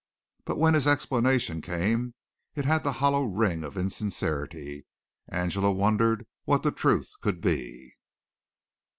But when his explanation came, it had the hollow ring of insincerity. Angela wondered what the truth could be.